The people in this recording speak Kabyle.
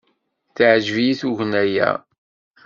Teɛjeb-iyi tugna-a.